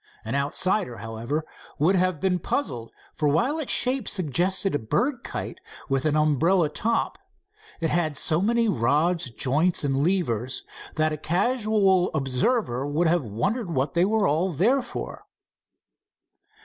An outsider, however, would have been puzzled, for while its shape suggested a bird kite with an umbrella top, it had so many rods, joints and levers that a casual observer would have wondered what they were all there for.